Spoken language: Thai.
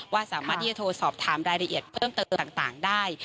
สามารถที่จะโทรสอบถามรายละเอียดเพิ่มเติมต่างได้